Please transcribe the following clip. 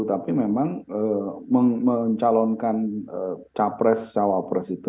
tapi memang mencalonkan capres cawapres itu